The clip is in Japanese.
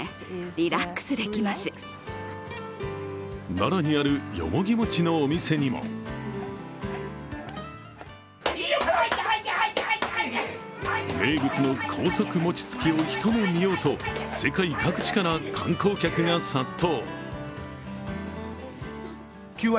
奈良にある、よもぎ餅のお店にも名物の高速餅つきを一目見ようと世界各地から観光客が殺到。